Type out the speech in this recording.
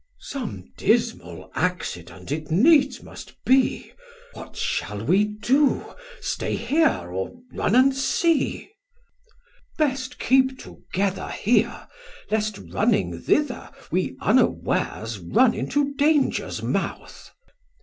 Man: Some dismal accident it needs must be; What shall we do, stay here or run and see? 1520 Chor: Best keep together here, lest running thither We unawares run into dangers mouth.